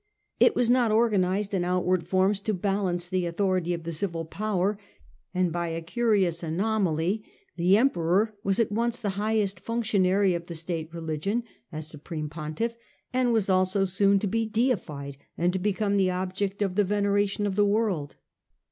It was not organized in outward forms to balance the authority of the civil power, and by a curious anomaly the Emperor was at once the highest functionary of the state religion, as supreme pontiff, and was also soon to be deified and to become the object of the veneration of the world.